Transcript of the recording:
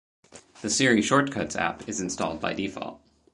The Siri Shortcuts app is installed by default.